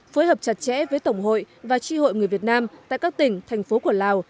phối hợp chặt chẽ với tổng hội và tri hội người việt nam tại các tỉnh thành phố của lào